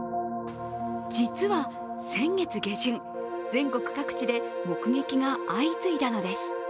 実は先月下旬、全国各地で目撃が相次いだのです。